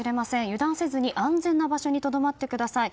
油断せずに安全な場所にとどまってください。